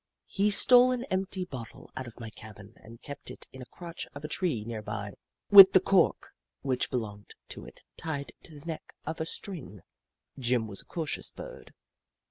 He stole an empty bottle out of my cabin and kept it in a crotch of a tree near by, with the cork which belonged to it tied to the neck by a string. Jim was a cautious Bird.